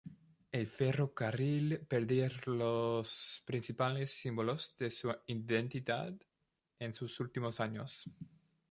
El ferrocarril perdía los principales símbolos de su identidad en sus últimos años.